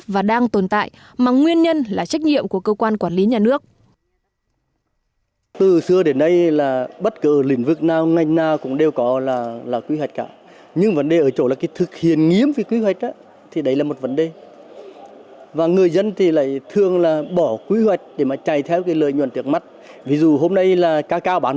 và đang tồn tại mà nguyên nhân là trách nhiệm của cơ quan quản lý nhà nước